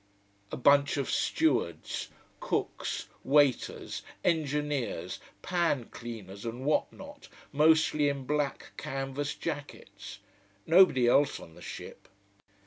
A bunch of stewards, cooks, waiters, engineers, pan cleaners and what not, mostly in black canvas jackets. Nobody else on the ship.